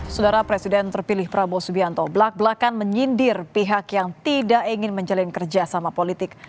sudara presiden terpilih prabowo subianto belak belakan menyindir pihak yang tidak ingin menjalin kerjasama politik